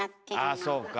あそうか。